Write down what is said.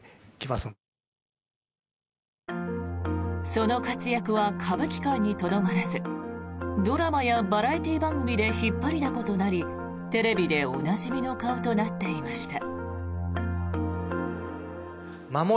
その活躍は歌舞伎界にとどまらずドラマやバラエティー番組で引っ張りだことなりテレビでおなじみの顔となっていました。